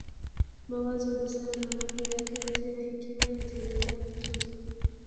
Mawazo busara na mambo yake yote ya hekima yataendele kutunzwa